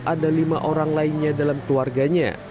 ada lima orang lainnya dalam keluarganya